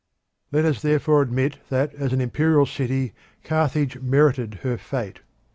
Let us therefore admit that, as an imperial city, Carthage merited her fate.